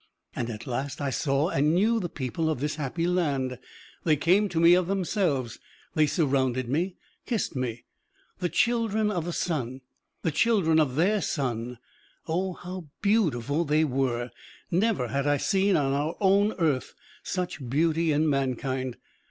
And at last I saw and knew the people of this happy land. They came to me of themselves, they surrounded me, kissed me. The children of the sun, the children of their sun oh, how beautiful they were! Never had I seen on our own earth such beauty in mankind.